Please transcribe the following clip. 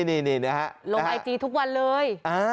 ลองไอจีทุกวันเลย